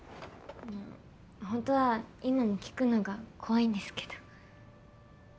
本当は今も聞くのが怖いんですけど。